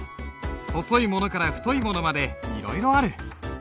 細いものから太いものまでいろいろある。